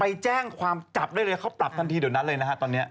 ไปแจ้งความจับได้เลยเขาปรับทันทีเดี๋ยวนั้นเลยนะฮะตอนนี้